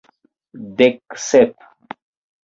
Dek sep.